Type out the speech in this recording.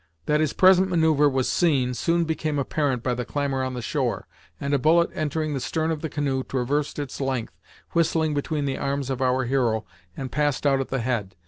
That his present manoeuvre was seen soon became apparent by the clamor on the shore, and a bullet entering the stern of the canoe traversed its length, whistling between the arms of our hero, and passed out at the head.